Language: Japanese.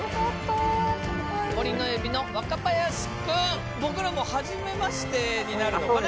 モリノエビの若林君僕らもはじめましてになるのかな